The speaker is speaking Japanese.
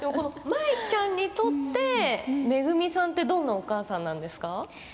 舞ちゃんにとってめぐみさんってどんなお母さんなんですか。